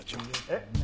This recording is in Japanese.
えっ？